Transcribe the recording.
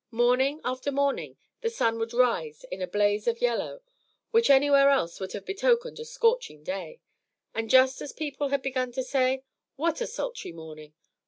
Morning after morning the sun would rise in a blaze of yellow, which anywhere else would have betokened a scorching day; and just as people had begun to say, "What a sultry morning!"